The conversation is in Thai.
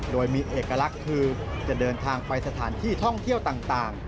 โดยมีเอกลักษณ์คือจะเดินทางไปสถานที่ท่องเที่ยวต่าง